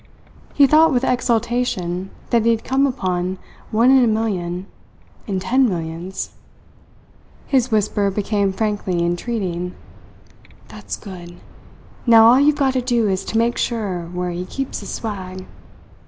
He thought with exultation that he had come upon one in a million in ten millions! His whisper became frankly entreating. "That's good! Now all you've got to do is to make sure where he keeps his swag.